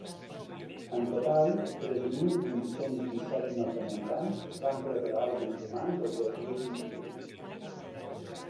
En total tres mil vuit-cents disset nord-americans van rebre òrgans humans el dos mil vint-i-u.